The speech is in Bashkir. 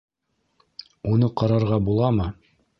Уны ҡарарға буламы?